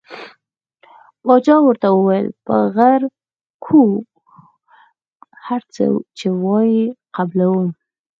باچا ورته وویل پر غیر کوو هر څه چې وایې قبلووم.